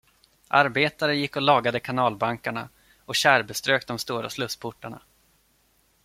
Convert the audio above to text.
Arbetare gick och lagade kanalbankarna och tjärbeströk de stora slussportarna.